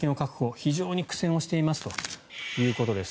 非常に苦戦していますということです。